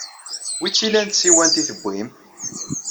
Wi tt-ilan tsiwant ay tewwim?